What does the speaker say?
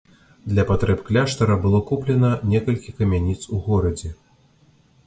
Для патрэб кляштара было куплена некалькі камяніц у горадзе.